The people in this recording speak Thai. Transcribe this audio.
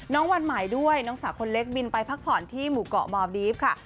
วันใหม่ด้วยน้องสาวคนเล็กบินไปพักผ่อนที่หมู่เกาะมอลดีฟค่ะ